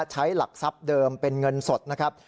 ใช้หลักทรัพย์เดิมเป็นเงินสดนะครับ